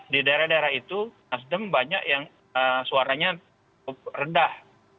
di daerah daerah itu nasdem banyak yang suaranya rendah